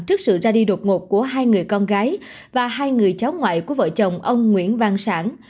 trước sự ra đi đột ngột của hai người con gái và hai người cháu ngoại của vợ chồng ông nguyễn văn sản